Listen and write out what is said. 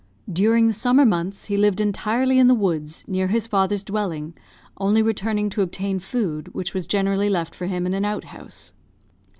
During the summer months he lived entirely in the woods, near his father's dwelling, only returning to obtain food, which was generally left for him in an outhouse.